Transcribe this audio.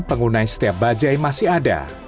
penggunaan setiap bajaj masih ada